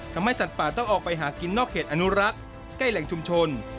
ทำให้สัตว์ป่าต้องออกไปหากินนอกเขตอนุรักษ์ใกล้แหล่งชุมชน